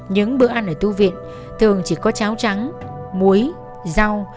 những bữa ăn ở tu viện thường chỉ có cháo trắng muối rau